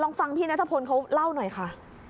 ฟังพี่นัทพลเขาเล่าหน่อยค่ะ